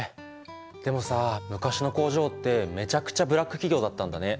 でもさ昔の工場ってめちゃくちゃブラック企業だったんだね。